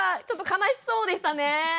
ちょっと悲しそうでしたね。